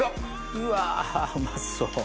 うわうまそう。